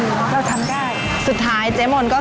ขอบคุณมากด้วยค่ะพี่ทุกท่านเองนะคะขอบคุณมากด้วยค่ะพี่ทุกท่านเองนะคะ